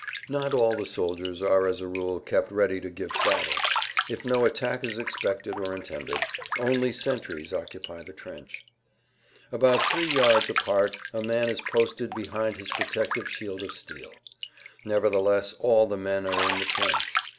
Not all the soldiers are as a rule kept ready to give battle. If no attack is expected or intended, only sentries occupy the trench. About three yards apart[Pg 159] a man is posted behind his protective shield of steel. Nevertheless all the men are in the trench.